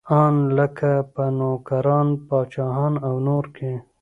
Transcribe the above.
ان لکه په نوکران، پاچاهان او نور کې.